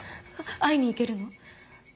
会いに行けるの？